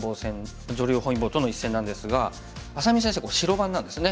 本因坊との一戦なんですが愛咲美先生これ白番なんですね。